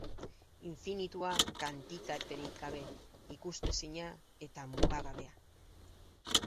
Infinitua kantitaterik gabe, ikusezina eta mugagabea.